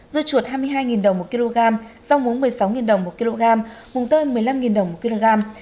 dù chuột hai mươi hai đồng một kg rau mún một mươi sáu đồng một kg mùng tơi một mươi năm đồng một kg